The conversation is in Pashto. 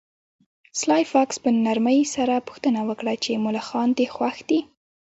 سلای فاکس په نرمۍ سره پوښتنه وکړه چې ملخان دې خوښ دي